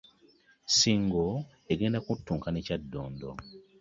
Ssingo egenda kuttunka ne Kyaddondo